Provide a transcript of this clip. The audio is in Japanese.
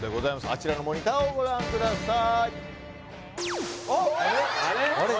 あちらのモニターをご覧くださいあれ？